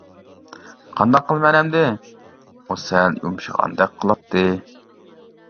قانداق قىلىمەن ئەمدى، -ئۇ سەل يۇمشىغاندەك قىلاتتى.